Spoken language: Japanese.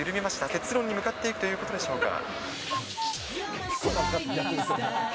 結論に向かっているということでしょうか。